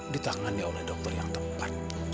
ditangani oleh dokter yang tepat